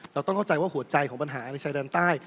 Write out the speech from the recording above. เราต้องเข้าใจว่าหัวใจของปัญหาในชายแดนใต้